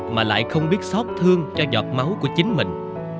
mà lại không biết xót thương cho giọt máu của chính mình